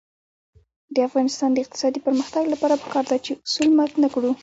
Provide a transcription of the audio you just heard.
د افغانستان د اقتصادي پرمختګ لپاره پکار ده چې اصول مات نکړو.